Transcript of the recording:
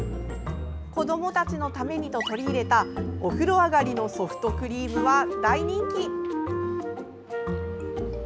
子どもたちのためにと取り入れたお風呂あがりのソフトクリームは大人気。